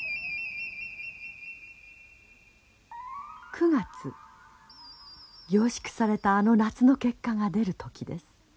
９月凝縮されたあの夏の結果が出る時です。